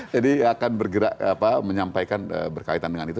jadi akan bergerak menyampaikan berkaitan dengan itu